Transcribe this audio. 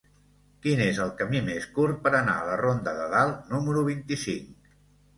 Quin és el camí més curt per anar a la ronda de Dalt número vint-i-cinc?